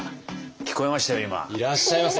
聞こえました？